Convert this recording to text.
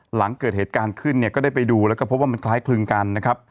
หลังเกิดเหตุการณ์ขึ้นเนี่ยก็ได้ไปดูแล้วก็พบว่ามันคล้ายคลึงกันนะครับ